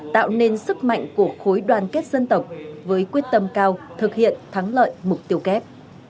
tạo nên sức mạnh của khối đoàn kết dân tộc với quyết tâm cao thực hiện thắng lợi mục tiêu kép